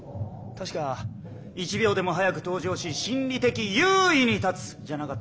確か「１秒でも早く登場し心理的優位に立つ」じゃなかったかな。